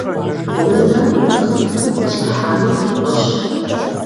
Унэм цӏыв къыщӏыхьэну фӏыщ.